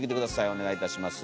お願いいたします。